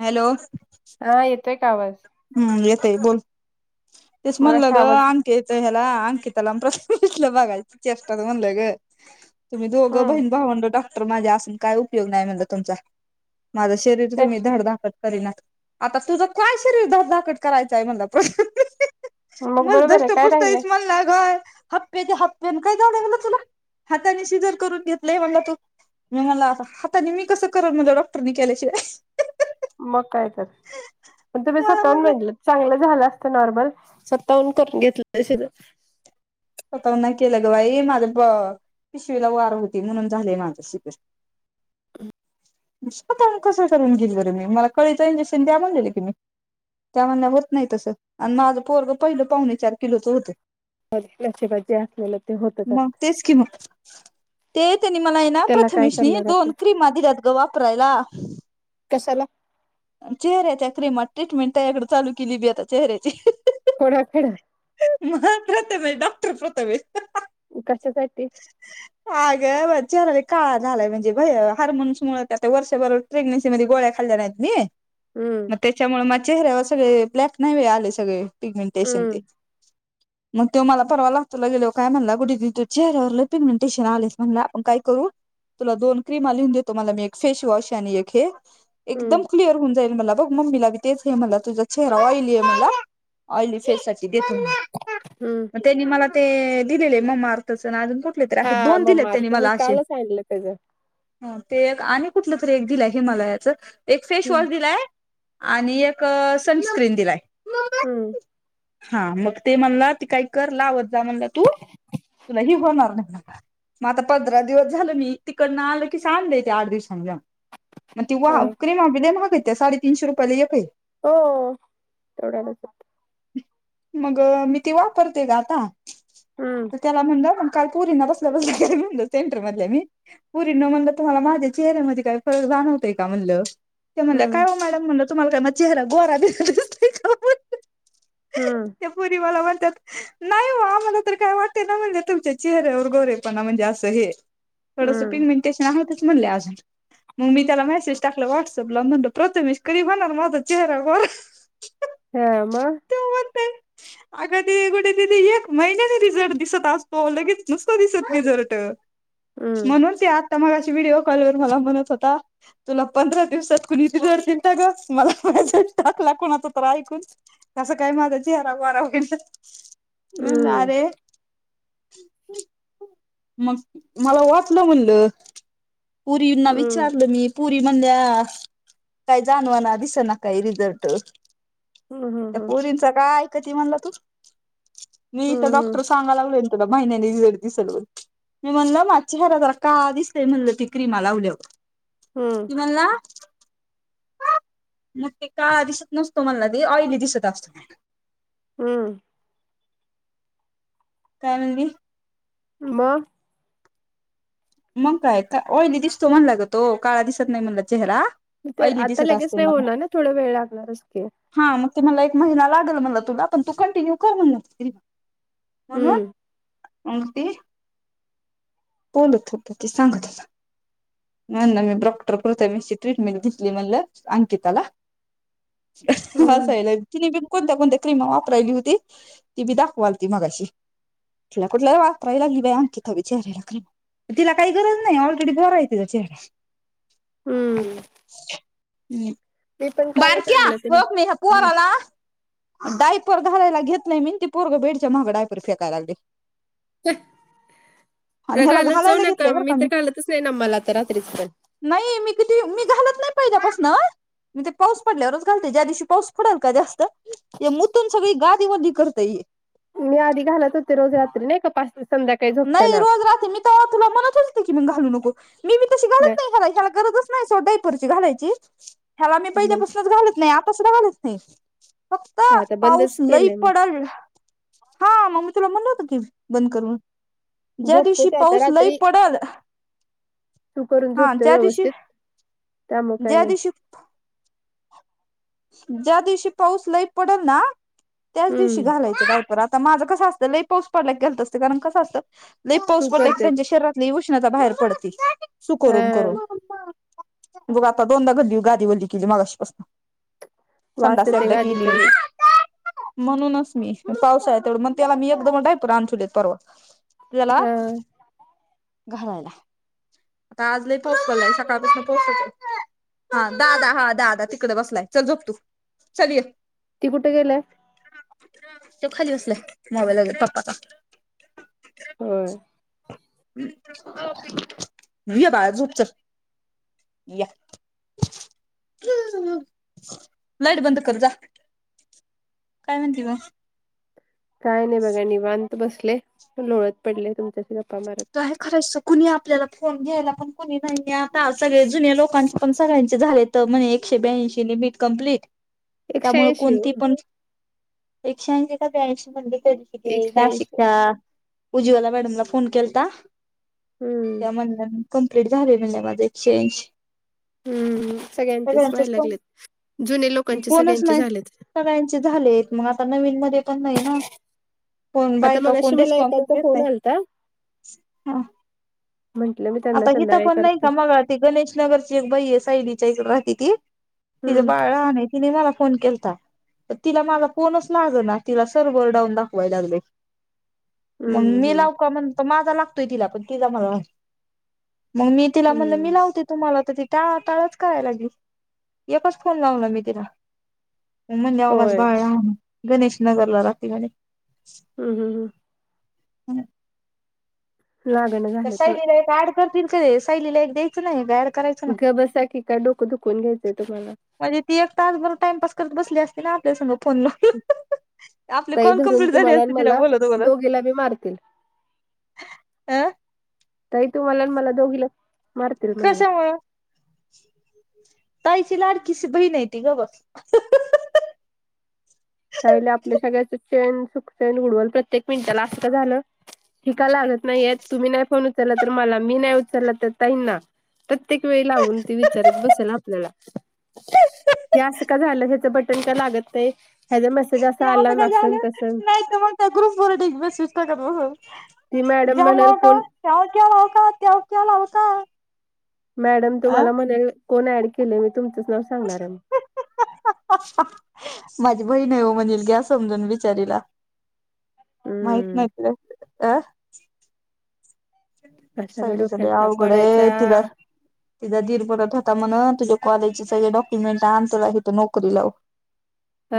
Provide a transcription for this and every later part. Hello. हा येतोय का आवाज. हम्म येतय बोल तेच म्हणलं मगाशी ग आवाज आण त हला अंकिताला प्रश्नलं बघायचचे चेष्टेत म्हणले ग. तुम्ही दोघं हम्म बहीण भावंड डॉक्टर माझ्या असून काय उपयोग नाही म्हणला तुमचा. माझं शरीर ते तुम्ही धडधाकट करीना आता तुझं काय किती धडधाकट करायचय म्हणला मग म बरोबर आहे धष्ट काय राहिलय पुष्टतच म्हण ला ग. हप्पे त्या हप्प्याने काय जाड म्हला तुला हाताने शिजर करून घेतलंय म्हला तू. मी मला अस आता मी कसं करन माझ डॉक्टरनी केल्याशिवाय. मग काय तर. मग तुम्ही मला स्वतःहून म्हणलं म्हटलं चांगलं झालं असतं नॉर्मल स्वतःहून करून घेतलंय सगळ. पताव ना केलंग भाई मझ प पिशवीला वार होती म्हणून झाले माझ्याशी गष स्वतः कसं करून गेल बरं मी मला कळीच इंजेक्शन द्या म्हणजले की मी त्या म्हला होत नाही तसं आणि माझं पोरग पहिलं पावणे चार किलोचं होतं नशिबाज जे असलेलं ते होतच अस मग तेच किम ते त्यांनी मला आहे ना त्याला काय प्रथमेशनी करणार दोन आता क्रिमा दिल्यात ग वापरायला. कशाला चेहऱ्याच्या क्रीमात ट्रीटमेंट त्याकडे चालू केली बी आता चेहऱ्याची कोडखेड म प्रथमे डॉक्टर प्रथमे कशसाठीते अग चरा काळ झालाय म्हणजे भय हार्मोन्स मु आता वर्षभरर प्रेग्नसी मध्ये गोळ्या खाल जा नाहीत नाही हम् त्याच्यामुळे मग चेहऱ्यावर सगळे ब्लॅक नाही आले सगळे पिगमेंटेशन ते हम्म मग त्यो मला परवा लातूरला गेल्यावर काय म्हणला कुठे त त चेहऱ्यावर पिगनिटेशन आलेस म्हणलं आपण काय करू तुला दोन क्रीम लिहून देतो मला मी एक फेस वॉश आणि एक हे हम्म एकदम क्लिअर होऊन जाईल म्ह मला बघ मम्मीला तेच हे म्हणला तुझा चेहरा ऑली आहे म्हणला ऑली फे कि दे त हम्म त्यांनी मला ते.. दिलेले ममा अर्थच अजून ते तर आहे, हा दोन मग दिले त्यांनी मार्क मी मला असे. कालच आणलं त्याच हा ते आणि कुठलं तरी एक दिलंय हिमालयाचं एक हम्म फेसवॉश दिलाय आणि एक सनस्क्रीन दिलाय. हम हा मग ते म्हणला ती काही कर लावत जा म्हणला तू तुला हि होणार नाही. मग आता पंधरा दिवस झालं मी तिकडनं आलं की सां आणलं ते आठ दिवसां जाऊन. मग ती वा हा क्रीम आपले महागय त्या साडेतीीनशे रुपयाला एक काय हो, तेवढ्या आहे. मग, मी ते वापरते ग आता, हम्म त्याला म्हण म काल पोरीना बसल्या बसल्या ग म्हण सेंटर मधले मी पोरी न म्हणलं तुम्हाला माझ्या चेहऱ्यामध्ये काही फरक जाणवतय का म्हणलं. त्या म्हणले का हम्म मॅडम म्हण तुम्हाला काय म चेहरा गोरा दिसत नाही का म्हणलं. हा ते पोरी मला म्हणतात नाही हो आम्हाला तर काय वाटते ना म्हणजे तुमच्या चेहऱ्यावर गोरेपणा म्हणजे असं हे थोडंस हम्म पिनमेंटेशन आच म्हणले अजून मग मी त्याला मेसेज टाकला व्हॉट्सअपला म्हणलं प्रथमेश की बणार माझा चेहरावर हा.. म तेवर ते अग.. ते कुठे तिथे एक महिन्याने रिझल्ट दिसत असजतो लगेच नुसतो दिसत रिझल्ट हम्म म्हणूनच या आता मगाशी व्हिडिओ कॉल वर मला म्हणत होता. तुला पंधरा दिवसात कुणी रिझल्ट ग, मला टाकला कोणाचा तर ऐकून. कसं काय माझा चेहरा वगैल म्हणलं हम्म अरे मग मला वाटलं म्हणलं परींना हम्म विचारलं मी पुरी म्हणल्या काय जाणवाना दिसना काही रिझल्ट हम्म त्या प हम्म पुरींच काय ऐकती म्हणला तू मी इथ हम्म डॉक्टर सांगाला लागलोय महिन्यानीडती सलव [unintelligible] [unintelligible] मी म्हणलं माझच्या हर जरा का दिसतेय म्हणलं ती क्रीमा लावल्यावर हम नला मग ते का दिसत नसतो म्हटला ते ऑली दिसत असतो. हम काय म्हणली? मग मग काय का ऑइली दिसतो म्हणला ग तो काळा दिसत नाही म्हनला चेहरा ते ऑइली आता दिसत लगेच असतो नाही मला होणार ना थोडा वेळ लागणारच हा मग ते मला एक महिना लागल मला तुला पण तू कंटिन्यू कर म्ह न म्हणून. हम्म अंगठी बोलत होते ते सांगत तिला नाही ना मी डॉक्टर प्रथमेश ट्रीटमेंट देतली म्हणलं अंकिताला हम्म हसायला येते तीली कणी. कोणत्या, कोणत्या क्रीम वापराय होती ती मी दाखवाल ती त मगाशी कुठलातरी वापरायला लागली बाई अंकिता ला विचारा हीला तिला काही गरज नाही ऑलरेडी गोरा आहे तिचा चेहरा हम्म [inaudible] मी पण कालच बारक्या आणलं ते होकन हम्म. पोराला डायपर घालायला घेतलय मी ते पोरग बेडच्या माग डायपर फेकाय लागलय आणि ह्याला घालत जाऊ घालायला ना का घेतलंय बरं मी तर घालतच नाही ना मला आ तर रात्रीच पण नाही मी किती मी घालत नाही पाहिल्या पसन म ते पाऊस पडल्यावरच घालते ज्या दिवशी पाऊस पडेल का जास्तण हंस हे मुतून सगळी गादी ओली करता येई मी आधी घालत होते रोज रात्री नाही का पाच दिवस संध्याका नाही रोज राते मी तर तुला म्हणत होते की मी घालू नको मी मी तसे ब ह्याला गरजच नाही सोडा डायपरची घालायची ह्याला मी मग पहिल्यापासूनच घालत नाही आताच सुध्दा घालत नाही फक्त आता पाऊस बंदच लई केले मी पडल हा मग मी तुला म्हणलं होत की बंद कर ज्या झोपते दिवशी ते आता पाऊस लई रात्री पडल तू करून हा झोपते ज्या दिवशी, व्यवस्थित त्यामुळे काय ज्या नाही दिवशी ज्या दिवशी पाऊस लय पडेल ना त्याच दिवशी हम्म घालायच. [unintelligible] डायपर आता माझं कस असंतय लय पाऊस पडला की घालत असते कारण कसं असतं लई पाऊस तू पडला की करते त्यांच्या शरीरात लय उष्णता बाहेर पडती सु हा करून करून बघ आता दोनदा गादी ओली केली मगाशीपासून वास संडास येते एकदा केली. गादीचा लई [unintelligible] म्हणूनच मी पावसाळ्यात आहे तेवढं मग त्याला मी एकदमच डायपर अ आणुन ठेवलेत परवा याला हा घालायला आज लय पाऊस चालू आहे सकाळपासून आहे हा [unintelligible] दादा हा दादा तिकडे बसलाय चल झोप तू चल ये ती कुठे गेलंय तो खाली बसालाय मोबाईल बघत पप्पा चा होय [unintelligible] ये बाळा झोप चल या [unintelligible] लाईट बंद कर जा. काय म्हणती मग, काय नाही बघा निवांत बसले लोळत पडले तुमच्याशी गप्पा मारत काय [unintelligible] खरंच कुणी आपल्याला फोन घ्यायला पण कुणी नाही आहे आता सगळे जुन्या लोकांचे पण सगळ्यांचे झालेत तर म्हणे एकशे ब्याऐंशी मिनिटं कंम्प्लीट एकशे त्यामुळे ऐंशी हो कोणती पण एकशेऐंशी का ब्याऐंशी म्हणली तरी की ती एकशे ऐंशी नाशिकच्या उज्वला मॅडमला फोन केलता हम्म त्या म्हण ना कम्प्लीट झालय म्हटल्या माझं एक्चेंज हम्म सगळ्यांचेच व्हाय पण लागलेत जुने लोकांचे कोणच सगळ्यांचे नाही झालेत सगळ्यांचे झाले आहेत मग आता नवीन मध्ये पण नाही ना कोण आता बायका मग अशी कोण मला रिस्पॉन्स एकाचा देत फोन नाही आलता हा म्हंटलं मी त्यांना आता हित संध्याकाळी पण नाही करते का मग ती गणेश नगरची एक बई आहे सायलीच्या इकडे राहती ती तिचं हम्म बाळ लहान तिने मला फोन केलता तर तिला माझा फोनच लाग ना तिला सर्व्हर डाऊन दाखवाय लागल [unintelligible] मग हम्म मी हम्म लावु का म्हणत माझा लागतोय तिला पण तिला मला मग मी तिला म्हणलं हम्म मी लावते तुम्हाला तर ती त्या टाळाटाळच कराय लागली एकच फोन लावला मी तिला. मध्यावर माझ होय बाळ लहान आहे गणेश नगरला राहती म्हणे हम हम हम लागण झालं होय सायलीला एक ऍड करतील काय ते सायलीला एक द्यायचं नाही ऍड करायच ग बसा की काय डोकं दुखवून घ्यायचंय तुम्हाला म्हणजे ती एक तासभर टाइमपास करत बसली असते ना आपल्यास फोन म आपले ताई कॉल धरून कंप्लीट झाले तुम्हाला असते आणि तिला मला बोलत बोलत दोघीला बी मारतील अं ताई तुम्हाला मला दोघी ल कशामुळं ताईची लाडकीशी बहिण हायती ग बस आप सगळ्याच चेन सक्सेल हुडवल प्रत्येक मिनिटाला असत झालं ही लागत नाही तुम्ही नाही फोन उचलला तर मला मी नाही उचलला तर ताईंना ना प्रत्येक वेळी लावून ते विचारत बसेल आपल्याला या असं का झालं ह्याचं बटन का लागत नाही ह्याचा मेसेज असा आला का नसन तसन नाही मग त्या ग्रुपर ढीग मेसेज टाकत बसु ती मॅडम म्हणल कोण त्याव क लाव का त्याव क लाव का मॅडम आ तुम्हाला म्हणेल कोण ऍड केले मी तुमचंच नाव सांगणार आहे माझी बहीण हो म्हणेल घ्या समजून बिचारीला माहित हम्म नाही त अ कशाला सायलीचं लय डोक्याला ताप आवघड ये वाढायचा तिला तिझा दीर म्हणत होता म्हण तुझ्या कॉलेजचे सगळे डॉक्युमेंट आण तुला इंथ नोकरी लाव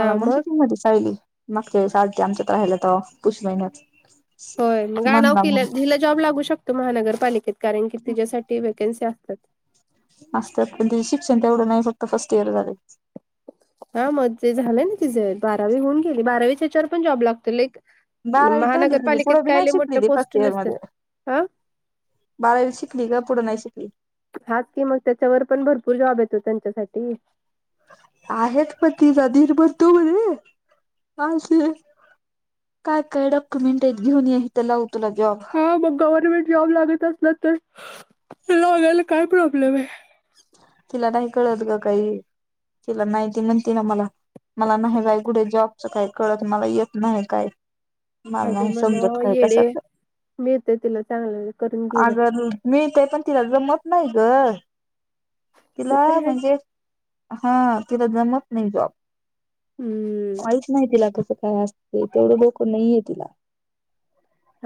मला म्हणत मग हुती मधी सायली मागच्यावेळेस आमच्यात राहायला तवा पौष महिन्यात होय मग आनाव म्हणला म्हणून हिला जॉब लागू शकतो महानगरपालिकेत कारण की तिच्यासाठी वेकन्सी असतात. असतात पण त्या शिक्षण तेवढं नाही फक्त फस्ट येइर झालय हा मगजे झालंय ना तिचेे बारावी होऊन गेली बारवीच्याच्यावर पण जॉब लागत एक बारावीच झालीये तीझी पुढं बी नाही शिकली ती पोस्ट फस्ट इयर मध्ये नसतात हा बारावी शिकली का पुढं नाही शिकली हाच कि मग त्याच्यावर पण भरपूर जॉब येतो त्यांच्यासाठी आहेत पण तिचाधीरभर तू म्हध्ये का अस काय काय डॉक्युमेंट आहेत घेऊन या इ तरं लावू तुला जॉब हा मग गव्हर्मेंट जॉब लागत असलं तर लॉगायला काय प्रॉब्लेमय तिला नाही कळत ग काही तिला नाहीती म्हणते ना मला मला नाही काय कुठे जॉबचं काय कळत मला येत नाही काय मला नाही अगं समजत म्हणावं काय येडे कशातलं मिळतंय तिला चांगलं करून घेईल अगर मीथ पण तिला जमत नाही ग ते तिला तर आहेच म्हणजे हा तिला जमत नाही जॉब हम्म माहीच नाही तिला कसं काय असते तेवढं डोकं नाहीे तिला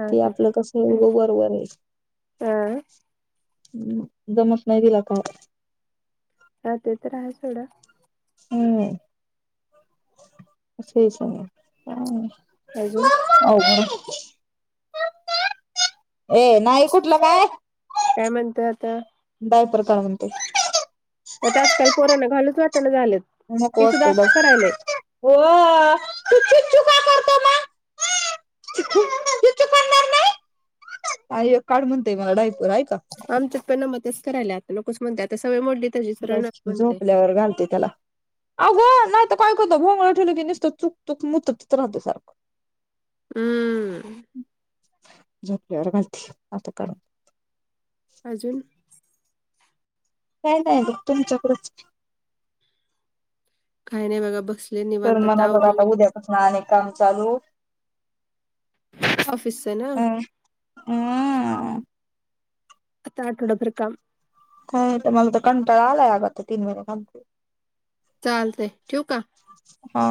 हा ते आपलं कस तर मु आहे. गं बरोबर नाही हा जमत नाही तला का हा ते तर आहे सोडं. हम्म तेच. अजून हो ए नाही कुठलं काय काय म्हणतोय आता दय प्ररकार म्हणते. त्याता आजकाल कोरोना घालूच वाटायला झालेत नको हे सुद्धा वाटतंय बाई. असं करायलाय. हो चू चुक चु का करतो म. नाही काढ म्हणतेय मला डायपूर आहे का? आमच पणना मतच करायला आता नकस म्हणते आता सय मो झोपल्यावर घालते त्याला अघं नाही तर काय करतं भोंगला ठेवलं की नसत चक चूक मुतच राहत सारखं. हम्म झपली माहि आता काून अजून काही नाही तुमच्याकडच काही नाही बघा बस. तर मणा बघ आता उद्यापासून अनेक काम चालू. ऑफिस ना. हम आठटोडपर काम. का मग तर कंटाळा आलाय अग तर तीन महिने कं. चालतंय ठेवक का? हा